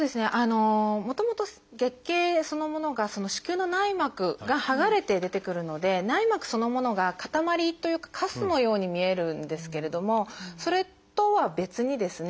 もともと月経そのものが子宮の内膜がはがれて出てくるので内膜そのものが塊というかかすのように見えるんですけれどもそれとは別にですね